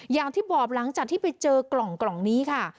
อย่างที่บอกหลังจากที่ไปเจอกล่องนี้ค่ะ